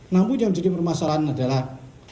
namun yang menjadi permasalahan adalah